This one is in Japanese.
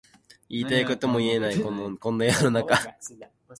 言いたいことも言えないこんな世の中